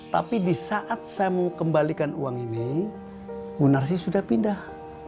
tapi di saat saya mau kembalikan uang ini munarsi sudah pindah